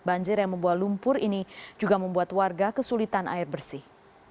banjir yang membawa lumpur ini juga membuat warga kesulitan air bersih